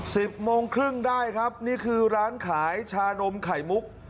สิบโมงครึ่งได้ครับนี่คือร้านขายชานมไข่มุก